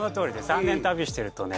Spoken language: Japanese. ３年旅してるとね